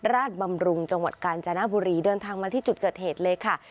บำรุงจังหวัดกาญจนบุรีเดินทางมาที่จุดเกิดเหตุเลยค่ะ